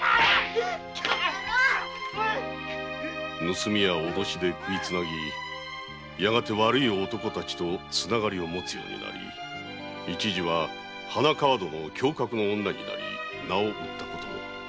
盗みや脅して食いつなぎやがて悪い男たちとつながりをもつようになり一時は花川戸の侠客の女になり名を売ったことも。